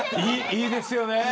いいですよね。